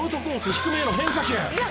低めへの変化球！」